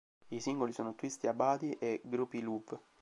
I singoli sono "Twist Ya Body" e "Groupie Luv".